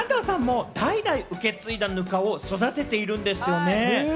安藤さんも代々受け継いだぬかを育てているんですよね？